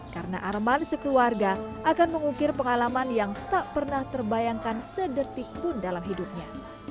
karena arman sekeluarga akan mengukir pengalaman yang tak pernah terbayangkan sedetik pun dalam hidupnya